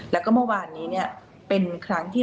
มันก็วันนี้เป็นครั้งที่